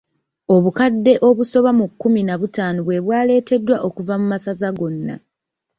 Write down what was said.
Obukadde obusoba mu kumi na butaano bwe bwaleeteddwa okuva mu masaza gona.